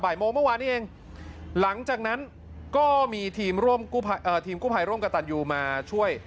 โมงเมื่อวานนี้เองหลังจากนั้นก็มีทีมกู้ภัยร่วมกับตันยูมาช่วย